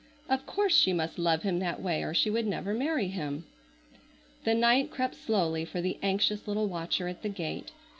Of course she must love him that way or she would never marry him. The night crept slowly for the anxious little watcher at the gate.